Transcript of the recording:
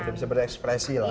udah bisa berekspresi lah ya